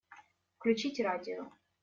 Включить радио.